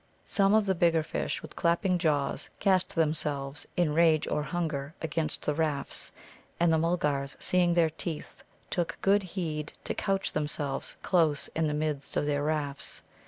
Some of the bigger fish, with clapping jaws, cast themselves in range or hunger against the rafts. And the Mulgars, seeing their teeth, took good heed to couch themselves close in the midst of their rafts.